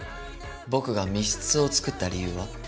僕が密室を作った理由は？